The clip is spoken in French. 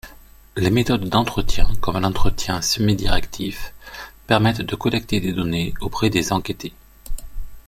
Les méthodes d'entretien comme l'entretien semi-directif permettent de collecter des données auprès des enquêtés.